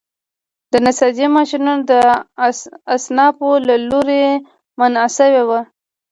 د نساجۍ ماشینونه د اصنافو له لوري منع شوي وو.